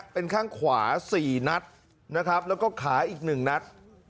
เป็นข้างขวา๔นัดนะครับแล้วก็ขาอีก๑นัด